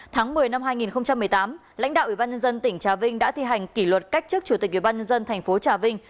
tháng một mươi năm hai nghìn một mươi tám lãnh đạo ủy ban nhân dân tỉnh trà vinh đã thi hành kỷ luật cách chức chủ tịch ủy ban nhân dân thành phố trà vinh